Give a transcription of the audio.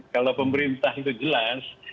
kalau pemerintah itu jelas